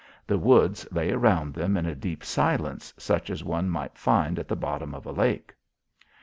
The woods lay around them in a deep silence, such as one might find at the bottom of a lake.